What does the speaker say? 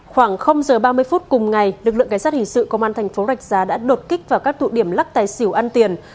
khoảng giờ ba mươi phút cùng ngày lực lượng cảnh sát hình sự công an thành phố rạch giá đã đột kích vào các tụ điểm lắc tài xỉu ăn tiền